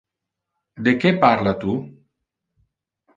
De que parla tu?